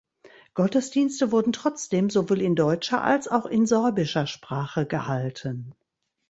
Gottesdienste wurden trotzdem sowohl in deutscher als auch in sorbischer Sprache gehalten.